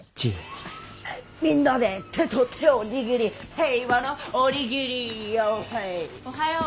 みんなで手と手を握り平和のおにぎりおはよ。